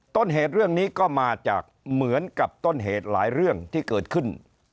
ต้นเหตุเรื่องนี้ก็มาจากเหมือนกับต้นเหตุหลายเรื่องที่เกิดขึ้น